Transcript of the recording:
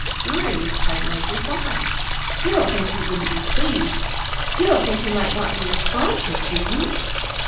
'" "Worried?" cried Leslie. "Why? You don't think he wouldn't be pleased? You don't think he might not be responsive, do you?"